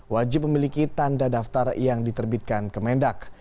wajib memiliki tanda daftar yang diterbitkan kemendak